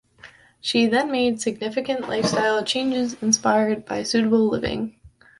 She then made significant lifestyle changes inspired by sustainable living.